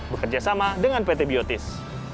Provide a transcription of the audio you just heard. bekerjasama dengan pt biotis